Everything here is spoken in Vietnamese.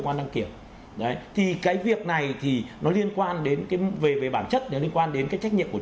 quan đăng kiểm thì cái việc này thì nó liên quan đến cái về bản chất liên quan đến cái trách nhiệm của